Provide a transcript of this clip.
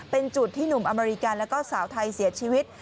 เป็นจุดที่หนุ่มอเมริกันแล้วก็สาวไทยเสียชีวิต